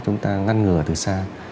chúng ta ngăn ngừa từ xa